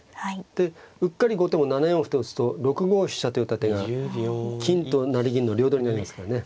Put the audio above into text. でうっかり後手も７四歩と打つと６五飛車と寄った手が金と成銀の両取りになりますからね。